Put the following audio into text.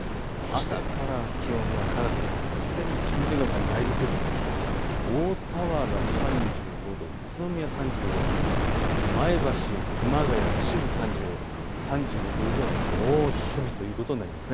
朝から気温が高くてそして日中、見てください内陸部、大田原３５度、宇都宮３５度、前橋、熊谷、秩父３５度、３５度以上、猛暑日ということになります。